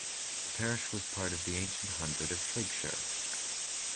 The parish was part of the ancient hundred of Triggshire.